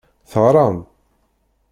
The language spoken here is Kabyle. Teɣṛam?